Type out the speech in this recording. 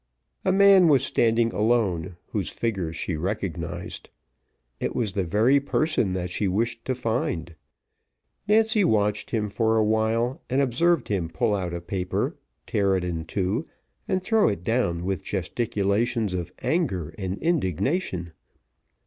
A man was standing alone, whose figure she recognised. It was the very person that she wished to find. Nancy watched him for awhile, and observed him pull out a paper, tear it in two, and throw it down with gesticulations of anger and indignation.